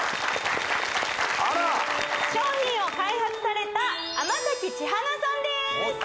あら商品を開発された天咲千華さんです